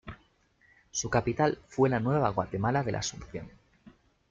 Su capital fue la Nueva Guatemala de la Asunción.